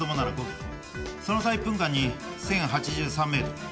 その差は１分間に１０８３メートル。